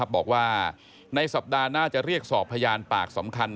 บอกว่าในสัปดาห์หน้าจะเรียกสอบพยานปากสำคัญ